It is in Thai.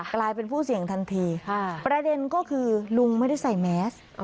กลายเป็นผู้เสี่ยงทันทีประเด็นก็คือลุงไม่ได้ใส่แมส